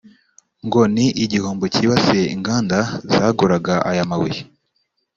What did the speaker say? ngo ni igihombo cyibasiye inganda zaguraga aya mabuye